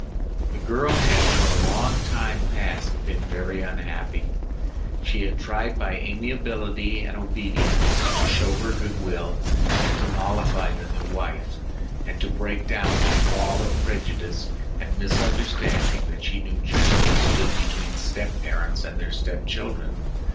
The girl had for a long time past been very unhappy. She had tried by amiability and obedience to show her goodwill and to mollify the new wife, and to break down that wall of prejudice and misunderstanding that she knew generally stood between step parents and their step children.